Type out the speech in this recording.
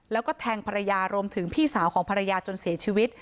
แล้วก็แทงภรรยารวมถึงพี่สาวของภรรยาจนเสียชีวิต